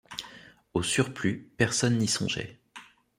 Au surplus, personne n’y songeait.